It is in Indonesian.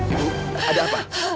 ibu ada apa